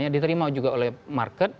diterima juga oleh market